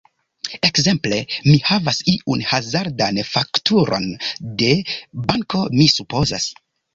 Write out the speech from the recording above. Ekzemple: mi havas iun hazardan fakturon de... banko mi supozas.